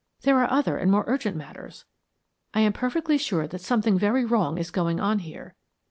There are other and more urgent matters. I am perfectly sure that something very wrong is going on here.